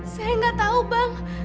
saya gak tau bang